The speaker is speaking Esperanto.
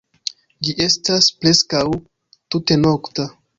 Ĝi estas preskaŭ tute nokta.